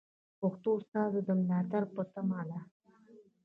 پښتو ستاسو د ملاتړ په تمه ده.